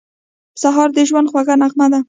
سهار د ژوند خوږه نغمه ده.